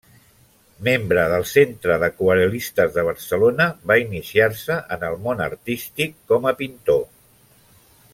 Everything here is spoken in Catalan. Membre del Centre d'Aquarel·listes de Barcelona, va iniciar-se en el món artístic com a pintor.